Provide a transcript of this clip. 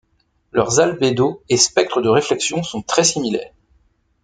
Leurs albédos et spectres de réflexion sont très similaires.